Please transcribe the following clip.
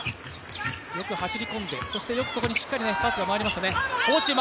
よく走り込んで、そしてよくそこにしっかりパスが回りましたね。